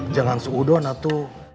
jangan seudon atau